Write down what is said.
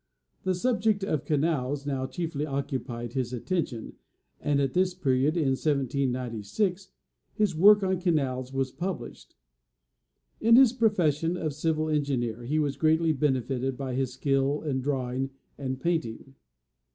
The subject of canals now chiefly occupied his attention, and at this period, in 1796, his work on canals was published. In his profession of civil engineer he was greatly benefitted by his skill in drawing and painting.